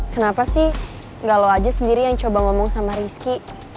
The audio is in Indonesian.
kenapa sih gak lo aja sendiri yang coba ngomong sama rizky